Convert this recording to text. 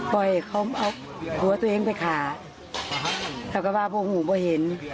ปล่อยเขาเอาหัวตัวเองไปขาแล้วก็ว่าพวกหนูก็เห็น